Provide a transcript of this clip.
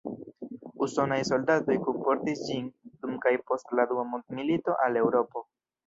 Usonaj soldatoj kunportis ĝin dum kaj post la Dua Mondmilito al Eŭropo.